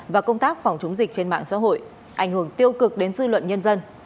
và công tác phòng chống dịch trên mạng xã hội ảnh hưởng tiêu cực đến dư luận nhân dân